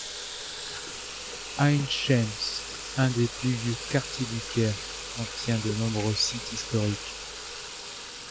Ain Shams, un des plus vieux quartiers du Caire, contient de nombreux sites historiques.